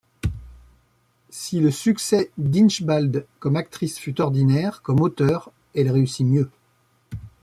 Si le succès d’Inchbald, comme actrice, fut ordinaire, comme auteure, elle réussit mieux.